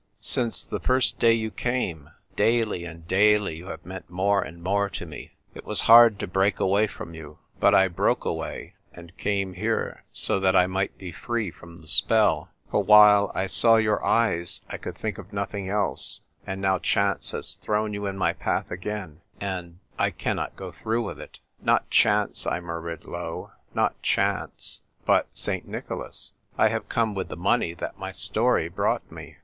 Since the first day you came, daily and daily you have meant more and more to me. It was hard to break away from you, but I broke away and came here, so that I might be free from the spell ; for while I saw your eyes I could think of nothing else ; and now chance has thrown you in my path again, and — I cannot go through with it." "Not chance," I murmured low; "not chance — but St. Nicholas ! I have come with the money that my story brought me."